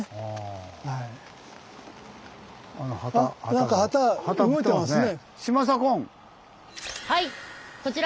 なんか旗動いてますね。